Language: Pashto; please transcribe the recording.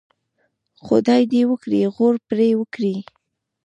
خدای دې وکړي غور پرې وکړي.